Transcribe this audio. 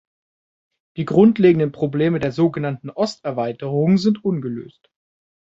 Die grundlegenden Probleme der so genannten Osterweiterung sind ungelöst.